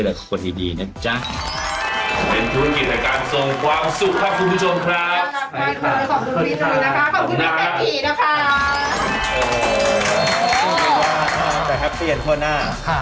แต่แฮปเปียนข้อหน้า